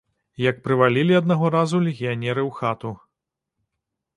Як прывалілі аднаго разу легіянеры ў хату.